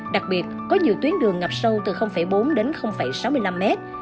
đặc biệt có nhiều tuyến đường ngập sâu từ bốn đến sáu mươi năm mét